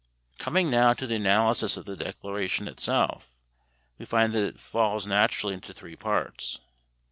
Coming now to the analysis of the Declaration itself, we find that it falls naturally into three parts.